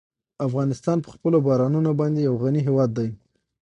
افغانستان په خپلو بارانونو باندې یو غني هېواد دی.